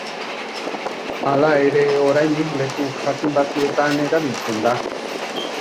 Hala ere, oraindik leku jakin batzuetan erabiltzen da.